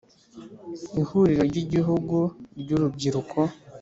Ihuriro ry igihugu ry urubyiruko